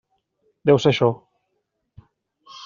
Deu ser això.